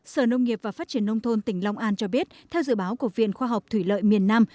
sở nông nghiệp và phát triển nông thôn tỉnh long an cho biết theo dự báo của viện khoa học thủy lợi miền nam